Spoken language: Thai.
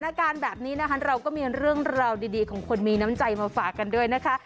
อาการแบบนี้นะคะเราก็มีเรื่องราวดีของคนมีน้ำใจมาฝากกันด้วยนะคะ